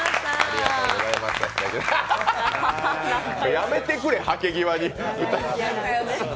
やめてくれ、はけ際に！